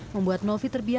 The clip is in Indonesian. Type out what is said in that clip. membuat novi terbiasa